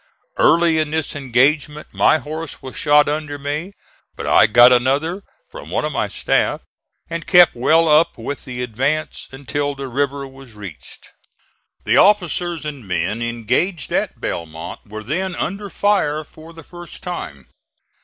Early in this engagement my horse was shot under me, but I got another from one of my staff and kept well up with the advance until the river was reached. The officers and men engaged at Belmont were then under fire for the first time.